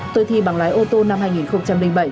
tôi thi bằng lái ô tô năm hai nghìn bảy